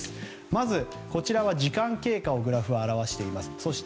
まずこちらは時間経過グラフを表しています。